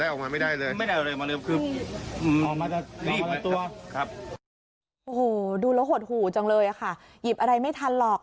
โอ้โหดูแล้วหดหู่จังเลยค่ะหยิบอะไรไม่ทันหรอก